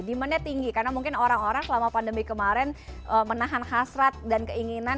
demandnya tinggi karena mungkin orang orang selama pandemi kemarin menahan hasrat dan keinginan